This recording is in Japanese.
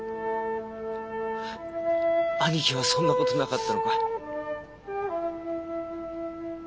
兄貴はそんな事なかったのか？